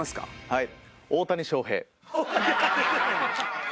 はい。